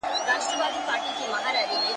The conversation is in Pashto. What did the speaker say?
زما لا مغروره ککرۍ دروېزه نه قبلوي ..